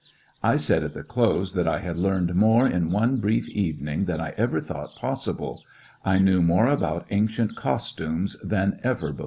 I said at the close that I had learned more in one brief evening than I ever thought possible 5 1 knew more about ancient costumes than ever before.